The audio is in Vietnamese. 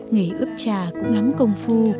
nghề ướp trà cũng ngắm công phu